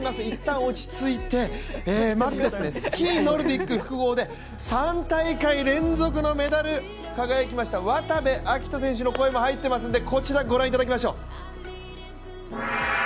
いったん落ち着いてまずスキーノルディック複合で３大会連続のメダルに輝きました渡部暁斗選手の声も入っていますので、こちら御覧いただきましょう。